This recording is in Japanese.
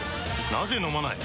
なぜ飲まない？